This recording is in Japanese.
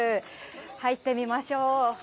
入ってみましょう。